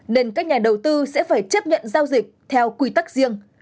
nên các nhà đầu tư sẽ phải chấp nhận giao dịch theo quy tắc riêng